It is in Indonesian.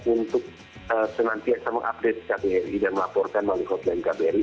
untuk senantiasa mengupdate kbri dan melaporkan melalui hotline kbri